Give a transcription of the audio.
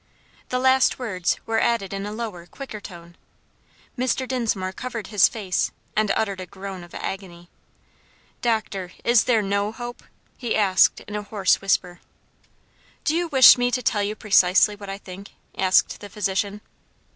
The last words were added in a lower, quicker tone. Mr. Dinsmore covered his face, and uttered a groan of agony. "Doctor, is there no hope?" he asked in a hoarse whisper. "Do you wish me to tell you precisely what I think?" asked the physician.